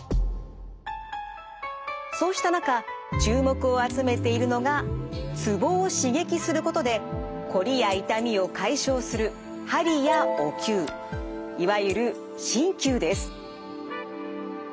そうした中注目を集めているのがツボを刺激することでこりや痛みを解消する鍼やお灸いわゆる鍼灸です。